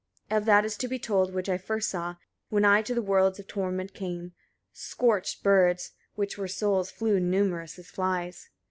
53. Of that is to be told, which I first saw, when I to the worlds of torment came: scorched birds, which were souls, flew numerous as flies.